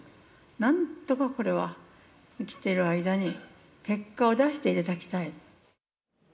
なんとかこれは、生きている間に結果を出していただきたい。